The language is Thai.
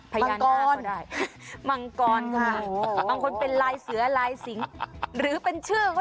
พญานาค